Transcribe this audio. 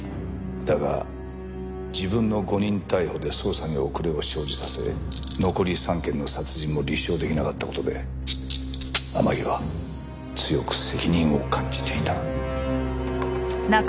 だが自分の誤認逮捕で捜査に遅れを生じさせ残り３件の殺人を立証できなかった事で天樹は強く責任を感じていた。